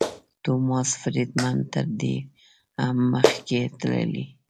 ټوماس فریډمن تر دې هم مخکې تللی.